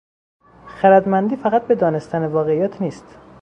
خردمندی فقط به دانستن واقعیات نیست.